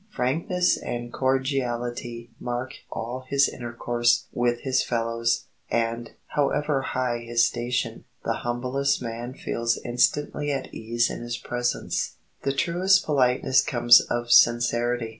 Frankness and cordiality mark all his intercourse with his fellows, and, however high his station, the humblest man feels instantly at ease in his presence. The truest politeness comes of sincerity.